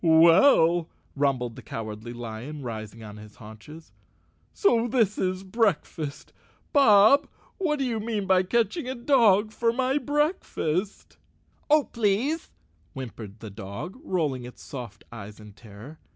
"Well," rumbled the Cowardly Lion, rising on his haunches, "so this is breakfast? Bob, what do you mean by catching a dog for my breakfast?" "Oh, please," whimpered the dog, rolling its soft 150 Chapter Eleven eyes in terror.